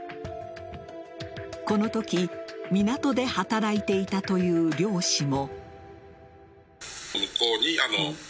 このとき港で働いていたという漁師も。